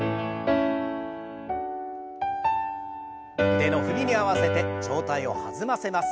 腕の振りに合わせて上体を弾ませます。